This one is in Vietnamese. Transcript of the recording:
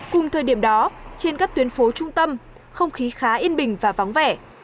cùng thời điểm đó trên các tuyến phố trung tâm không khí khá yên bình và vắng vẻ